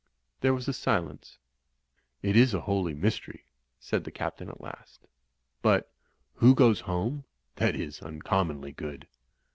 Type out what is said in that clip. There was a silence. "It is a holy mystery," said the Captain at last. "But, Who goes home?' — that is uncommonly good."